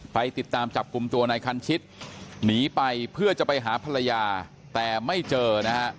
ไปติดตามจับกลุ่มตัวนายคันชิตหนีไปเพื่อจะไปหาภรรยาแต่ไม่เจอนะฮะ